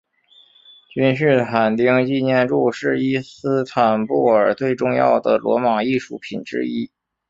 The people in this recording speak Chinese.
君士坦丁纪念柱是伊斯坦布尔最重要的罗马艺术品之一。